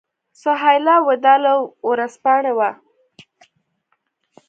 سهیلا وداع له ورځپاڼې وه.